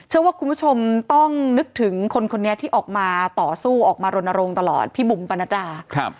หรือว่าคุณผู้ชมต้องนึกถึงที่ออกมาต่อสู้ตลอดพี่บุ๋มปณะดา